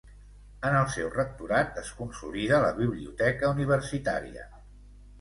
En el seu rectorat es consolida la Biblioteca universitària.